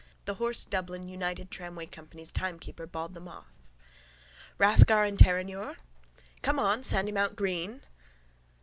The hoarse Dublin United Tramway Company's timekeeper bawled them off: —Rathgar and Terenure! —Come on, Sandymount Green!